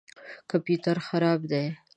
کمپیوټر خراب دی